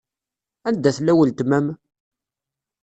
Anda tella weltma-m?